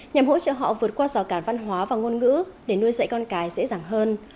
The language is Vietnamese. nhằm hỗ trợ họ vượt qua rào cản văn hóa và ngôn ngữ để nuôi dạy con cái dễ dàng hơn